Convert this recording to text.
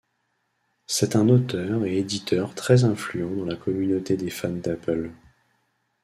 C'est un auteur et éditeur très influent dans la communauté des fans d'Apple.